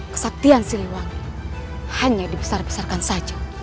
kesaktian siliwangi hanya dibesar besarkan saja